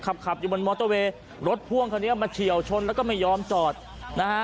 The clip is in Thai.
ขับขับอยู่บนมอเตอร์เวย์รถพ่วงคันนี้มาเฉียวชนแล้วก็ไม่ยอมจอดนะฮะ